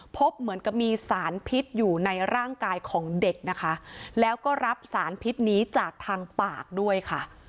พบเหมือนกับมีสารพิษอยู่ในร่างกายของเด็กนะคะแล้วก็รับสารพิษนี้จากทางปากด้วยค่ะ